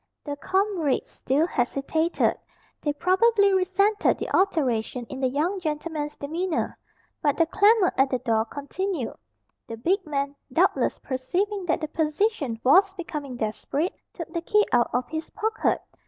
The comrades still hesitated they probably resented the alteration in the young gentleman's demeanour. But the clamour at the door continued. The big man, doubtless perceiving that the position was becoming desperate, took the key out of his pocket.